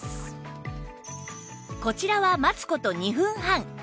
こちらは待つ事２分半